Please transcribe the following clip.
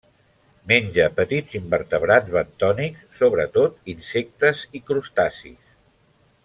Menja petits invertebrats bentònics, sobretot insectes i crustacis.